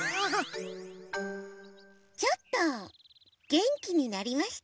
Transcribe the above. ちょっとげんきになりました。